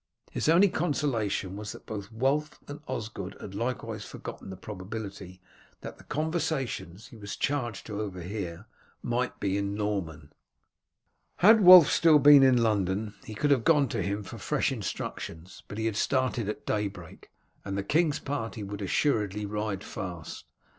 His only consolation was that both Wulf and Osgod had likewise forgotten the probability that the conversations he was charged to overhear might be in Norman. Had Wulf still been in London he could have gone to him for fresh instructions, but he had started at daybreak, and the king's party would assuredly ride fast.